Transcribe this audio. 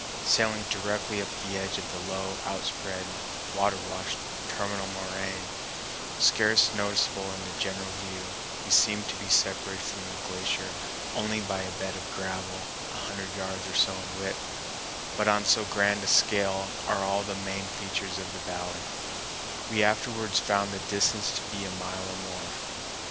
Sailing directly up to the edge of the low, outspread, water washed terminal moraine, scarce noticeable in a general view, we seemed to be separated from the glacier only by a bed of gravel a hundred yards or so in width; but on so grand a scale are all the main features of the valley, we afterwards found the distance to be a mile or more.